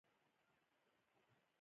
• د علیزي قوم خلک میلمهپال دي.